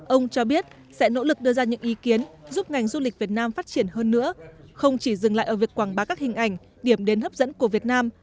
ông cho biết sẽ nỗ lực đưa ra những ý kiến giúp ngành du lịch việt nam phát triển hơn nữa không chỉ dừng lại ở việc quảng bá các hình ảnh điểm đến hấp dẫn của việt nam